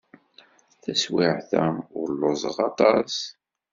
Taswiɛt-a, ur lluẓeɣ aṭas.